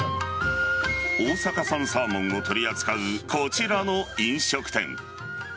大阪産サーモンを取り扱うこちらの飲食店。